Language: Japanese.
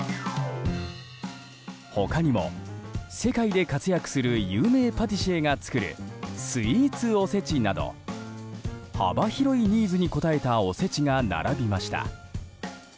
他にも世界で活躍する有名パティシエが作るスイーツおせちなど幅広いニーズに応えたおせちが並びました。